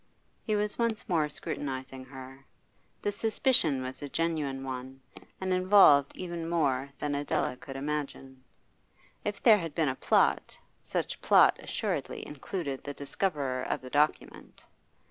He was once more scrutinising her. The suspicion was a genuine one, and involved even more than Adela could imagine. If there had been a plot, such plot assuredly included the discoverer of the document.